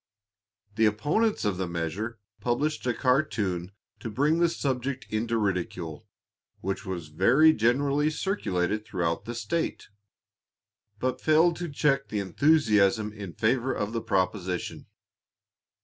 The opponents of the measure published a cartoon to bring the subject into ridicule, which was very generally circulated throughout the state, but failed to check the enthusiasm in favor of the proposition.